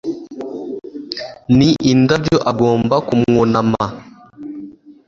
Ni indabyo agomba kumwunama